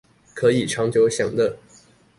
可以長久享樂